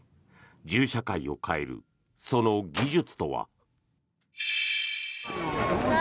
銃社会を変えるその技術とは。